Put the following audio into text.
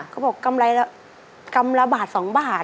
เขาบอกกำไรละกำละบาท๒บาท